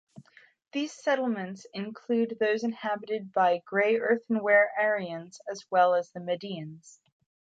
These settlements include those inhabited by "Grey earthenware" Aryans as well as the Medians.